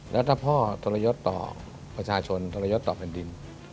แล้วถ้าพ่อทรยศต่อประชาชนทรยศต่อแผ่นดิน